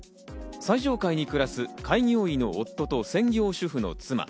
最上階に暮らす、開業医の夫と専業主婦の妻。